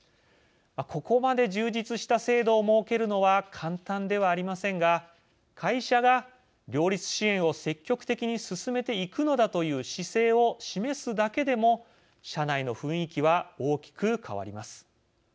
ここまで充実した制度を設けるのは簡単ではありませんが会社が両立支援を積極的に進めていくのだという姿勢を示すだけでも社内の雰囲気は大きく変わります。